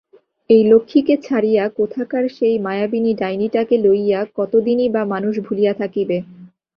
এই লক্ষ্মীকে ছাড়িয়া কোথাকার সেই মায়াবিনী ডাইনিটাকে লইয়া কতদিনই বা মানুষ ভুলিয়া থাকিবে।